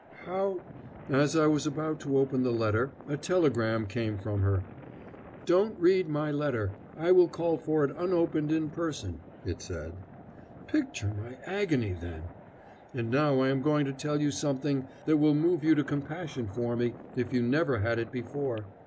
"How ?" "As I was about to open the letter, a telegram came from her. 'Don't read my letter: I will call for it unopened in person,' it said. Picture my agony then! And now I am going to tell you something that will move you to compassion for me, if you never had it before.